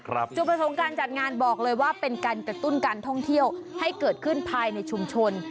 และเป็นผ่านผ่านจากการจัดงานออกเลยว่าเป็นการกระตุ้นการท่องเที่ยวให้เกิดขึ้นภายในชุมชน